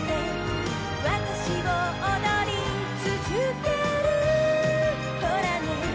「わたしを踊りつづけるほらね」